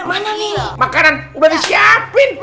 mana nih makanan udah disiapin